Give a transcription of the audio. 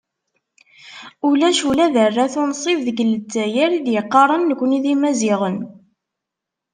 Ulac ula d arrat unṣib deg Lezzayer, i d-yaqqaren nekni d Imaziɣen.